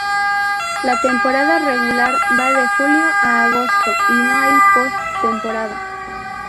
La temporada regular va de julio a agosto y no hay post-temporada.